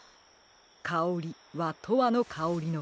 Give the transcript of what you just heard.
「かおり」は「とわのかおり」のこと。